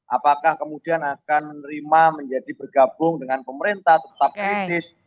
apakah kemudian akan menerima menjadi bergabung dengan pemerintah tetap kritis